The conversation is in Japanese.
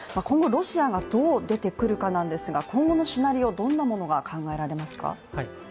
今後、ロシアがどう出てくるかなんですが今後のシナリオ、どんなものが考えられますか。